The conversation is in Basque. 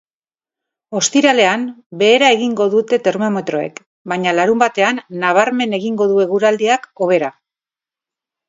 Ostiralean behera egingo dute termometroek baina larunbatean nabarmen egingo du eguraldiak hobera.